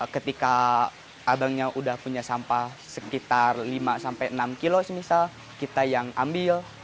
ketika abangnya sudah punya sampah sekitar lima sampai enam kilo misal kita yang ambil